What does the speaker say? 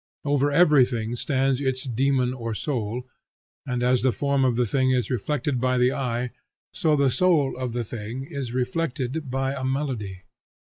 Over everything stands its daemon or soul, and, as the form of the thing is reflected by the eye, so the soul of the thing is reflected by a melody.